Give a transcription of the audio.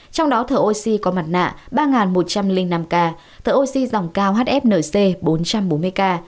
trong đó thở oxy có mặt nạ ba một trăm linh năm ca thở oxy dòng cao hfnc bốn trăm bốn mươi ca